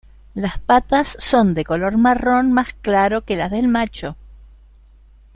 Las patas son de color marrón más claro que las del macho.